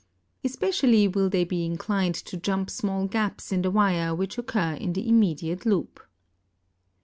Especially will they be inclined to jump small gaps in the wire which occur in the immediate loop.